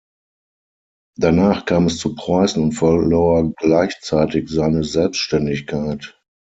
Danach kam es zu Preußen und verlor gleichzeitig seine Selbständigkeit.